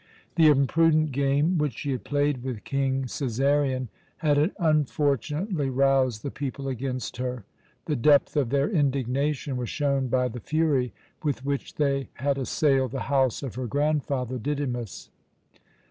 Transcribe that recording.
The imprudent game which she had played with King Cæsarion had unfortunately roused the people against her. The depth of their indignation was shown by the fury with which they had assailed the house of her grandfather, Didymus.